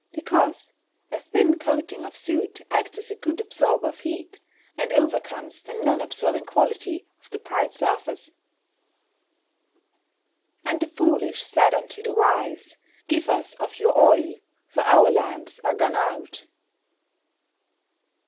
_ Because a thin coating of soot acts as a good absorber of heat, and overcomes the non absorbing quality of the bright surface. [Verse: "And the foolish said unto the wise, Give us of your oil, for our lamps are gone out."